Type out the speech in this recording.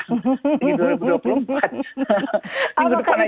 apakah itu akan menjadi momentum begitu mbak yeni